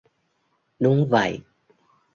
Đúng vậy